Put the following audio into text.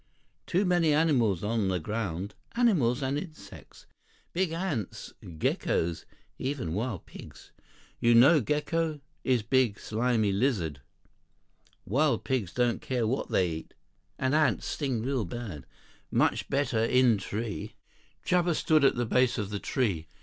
Too many animals on the ground. Animals and insects. Big ants, geckos, even wild pigs. You know gecko? Is big, slimy lizard. Wild pigs don't care who they eat. And ants sting real bad. Much better in tree." Chuba stood at the base of the tree.